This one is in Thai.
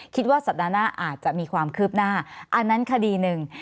คิดว่าสัปดาห์หน้าอาจจะมีความคืบหน้าอันนั้นคดีหนึ่ง